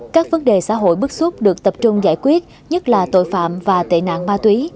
các vấn đề xã hội bức xúc được tập trung giải quyết nhất là tội phạm và tệ nạn ma túy